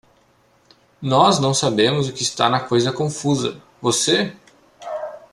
Nós não sabemos o que está na coisa confusa? você?